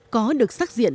có được sắc diện